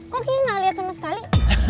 kaki gak liat sama sekali